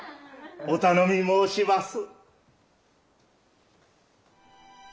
お頼み申します。